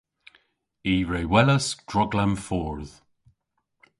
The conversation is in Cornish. I re welas droglam fordh.